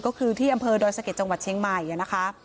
ก็คือที่อำเภอดอยสะเก็ดจังหวัดเชียงใหม่นะคะ